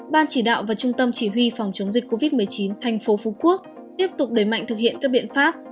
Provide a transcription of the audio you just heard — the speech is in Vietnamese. ban chỉ đạo và trung tâm chỉ huy phòng chống dịch covid một mươi chín tp hcm tiếp tục đẩy mạnh thực hiện các biện pháp